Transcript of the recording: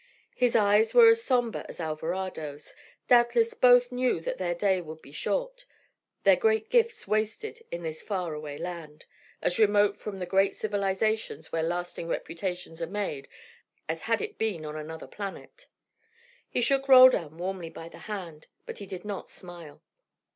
His eyes were as sombre as Alvarado's: doubtless both knew that their day would be short, their great gifts wasted in this far away land, as remote from the great civilisations where lasting reputations are made as had it been on another planet. He shook Roldan warmly by the hand, but he did not smile.